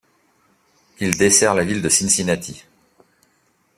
Il dessert la ville de Cincinnati.